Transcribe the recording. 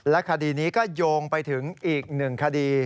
คดีนี้ก็โยงไปถึงอีกหนึ่งคดี